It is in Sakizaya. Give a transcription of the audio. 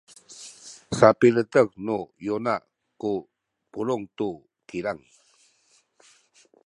sapiletek ni Yona ku pulung tu kilang.